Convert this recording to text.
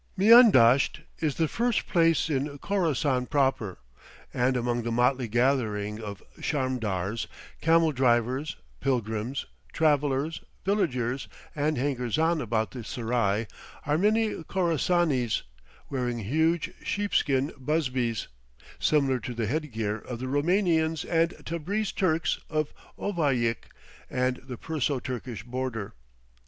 Miandasht is the first place in Khorassan proper, and among the motley gathering of charmdars, camel drivers, pilgrims, travellers, villagers and hangers on about the serai, are many Khorassanis wearing huge sheepskin busbies, similar to the head gear of the Roumanians and Tabreez Turks of Ovahjik and the Perso Turkish border.